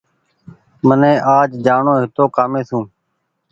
مني آج جآڻو هيتو ڪآمي سون